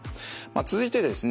続いてですね